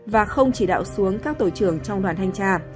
và không chỉ đạo xuống các tổ trưởng trong đoàn thanh tra